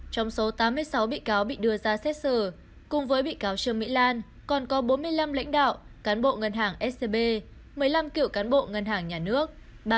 trong số tám mươi sáu bị cáo bị đưa ra xét xử cùng với bị cáo trương mỹ lan còn có bốn mươi năm lãnh đạo cán bộ ngân hàng scb một mươi năm cựu cán bộ ngân hàng nhà nước